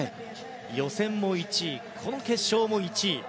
予選も１位決勝も１位。